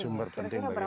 sumber penting bagi kami